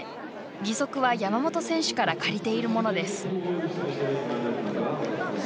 義足は、山本選手から借りているものです。